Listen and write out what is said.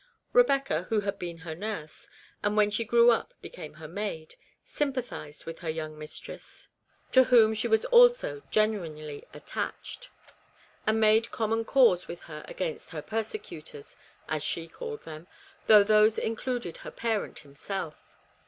Rebecca, who had been her nurse, and when she grew up become her maid, sympathized with her young mistress, to whom she was also genuinely attached, and made common cause with her against her persecutors, as she called them, though those included her parent himself.